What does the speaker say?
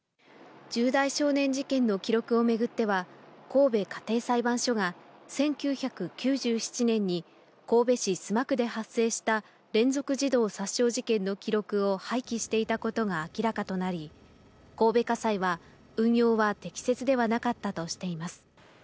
重大少年事件の記録を巡っては、神戸家庭裁判所が１９９７年に神戸市須磨区で発生した連続児童殺傷事件の記録を廃棄していたことが明らかとなり、神戸家裁は、運用は適切ではなかったとしています。